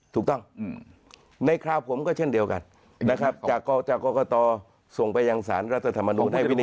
ถูกต้องในคราวผมก็เช่นเดียวกันนะครับจากกรกตส่งไปยังสารรัฐธรรมนูลให้วินิ